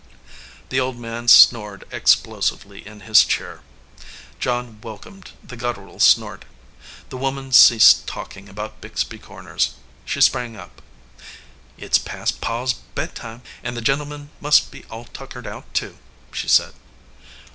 The old man snored explosively in his chair. John welcomed the guttural snort. The woman ceased talking about Bixby Corners. She sprang up. "It s past Pa s bedtime ; an the gentleman must be all tuckered out, too," she said.